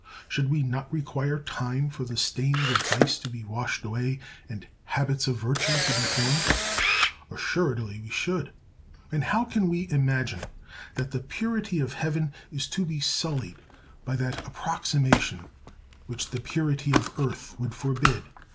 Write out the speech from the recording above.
Should we not require time for the stains of vice to be washed away and habits of virtue to be formed? Assuredly we should! And how can we imagine that the purity of heaven is to be sullied by that approximation which the purity of earth would forbid?